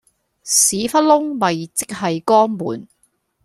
屎忽窿咪即係肛門